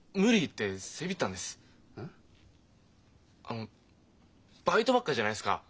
あのバイトばっかじゃないですか。